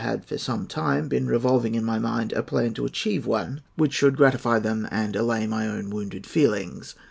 had for some time been revolving in my mind a plan to achieve one which should gratify them, and allay my own wounded feelings.